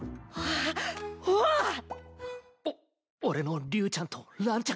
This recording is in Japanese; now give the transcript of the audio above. お俺の竜ちゃんとランちゃんが。